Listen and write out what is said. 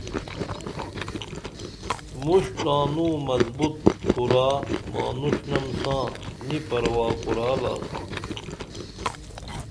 مُݜٹھ تانوئی مضبوط کُرا مانوݜنم ساں نی پرواہ کُروال آستُھم